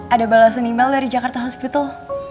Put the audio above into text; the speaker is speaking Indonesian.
ada balasan email dari jakarta hospital